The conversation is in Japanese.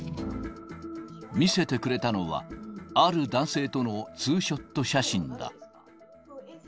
見せてくれたのは、ある男性との２ショット写真だ。